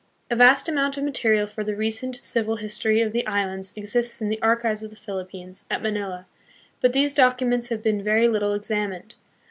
A vast amount of material for the recent civil history of the islands exists hi the Archives of the Philippines, at Manila, but these documents have been very little ex amined.